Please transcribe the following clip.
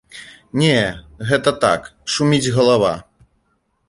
Не, гэта так, шуміць галава.